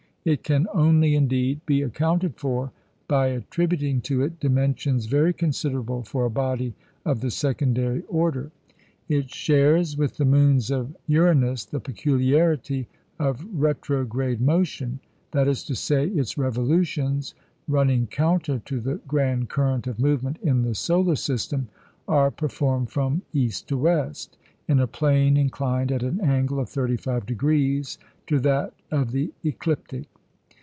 It can only, indeed, be accounted for by attributing to it dimensions very considerable for a body of the secondary order. It shares with the moons of Uranus the peculiarity of retrograde motion; that is to say, its revolutions, running counter to the grand current of movement in the solar system, are performed from east to west, in a plane inclined at an angle of 35° to that of the ecliptic.